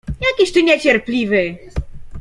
— Jakiś ty niecierpliwy!